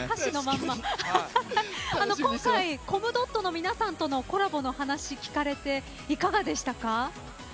今回コムドットの皆さんとのコラボの話、聞かれていかがでしたか？